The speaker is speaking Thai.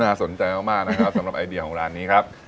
สนใจมากนะครับสำหรับไอเดียของร้านนี้ครับ